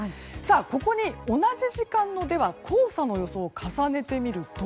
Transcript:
ここに同じ時間の黄砂の予想を重ねてみると。